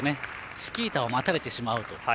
チキータを待たれてしまうと。